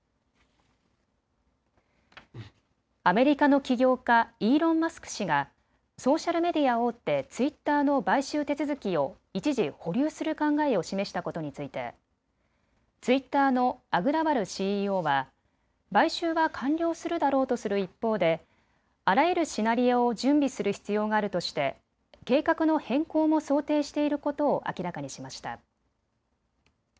アメリカの起業家、イーロン・マスク氏がソーシャルメディア大手、ツイッターの買収手続きを一時保留する考えを示したことについてツイッターのアグラワルＣＥＯは買収は完了するだろうとする一方であらゆるシナリオを準備する必要があるとして計画の変更も想定していることを明らかにしました。